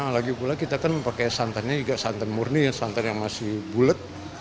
lagi pula kita kan pakai santannya juga santan murni ya santan yang masih bulat